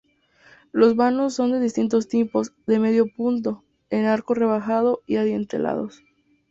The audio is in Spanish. Los vanos son de distintos tipos: de medio punto, en arco rebajado y adintelados.